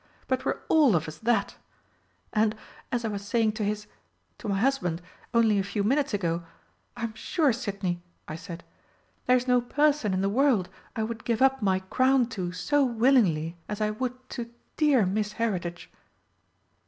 but we're all of us that! And, as I was saying to His to my husband only a few minutes ago, 'I'm sure, Sidney,' I said, 'there's no person in the world I would give up my crown to so willingly as I would to dear Miss Heritage!'"